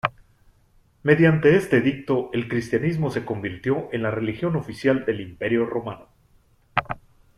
Mediante este edicto el cristianismo se convirtió en la religión oficial del Imperio romano.